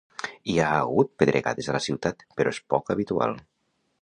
Hi ha hagut pedregades a la ciutat però és poc habitual.